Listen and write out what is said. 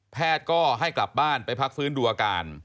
แพทย์ก็ให้กลับบ้านไปพักฟื้นดูอาการ